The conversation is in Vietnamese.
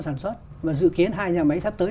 sản xuất và dự kiến hai nhà máy sắp tới